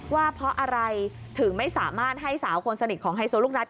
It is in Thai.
ว่าเพราะอะไรถึงไม่สามารถให้สาวคนสนิทของไฮโซลูกนัด